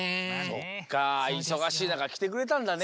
そっかいそがしいなかきてくれたんだね。